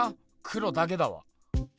黒だけだわ。